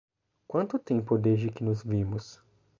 Quanto tempo desde que nos vimos?